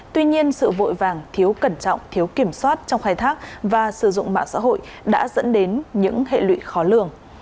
tuy nhiên sự vội vàng thiếu cẩn trọng thiếu kiểm soát trong khai thác và sử dụng mạng xã hội đã dẫn đến những hệ lụy khó lường